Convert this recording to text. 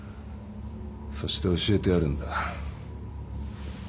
そして教えてやるんだ。